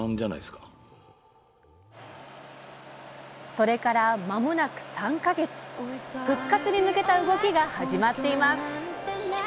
それから間もなく３か月復活に向けた動きが始まっています。